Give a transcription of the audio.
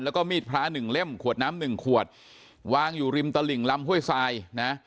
แล้วก็มีดพระหนึ่งเล่มขวดน้ำหนึ่งขวดวางอยู่ริมตลิ่งลำห้วยทรายนะ